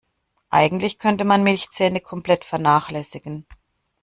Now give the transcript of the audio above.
Eigentlich könnte man Milchzähne komplett vernachlässigen.